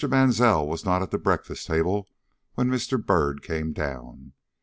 Mansell was not at the breakfast table when Mr. Byrd came down.